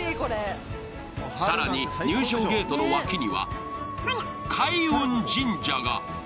更に入場ゲートの脇には開運神社が。